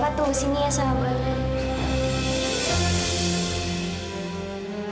bapak tunggu sini ya sahabat